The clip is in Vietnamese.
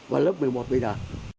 và lớp một mươi một bây giờ